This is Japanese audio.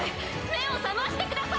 目を覚ましてください！